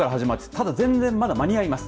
まだ全然間に合います。